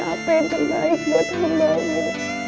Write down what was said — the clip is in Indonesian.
apa yang terbaik buat himbau